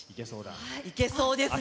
いけそうですね。